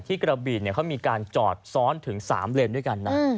กระบีเขามีการจอดซ้อนถึง๓เลนด้วยกันนะ